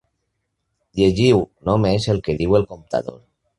Llegiu només el que diu el comptador.